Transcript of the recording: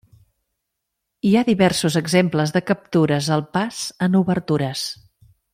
Hi ha diversos exemples de captures al pas en obertures.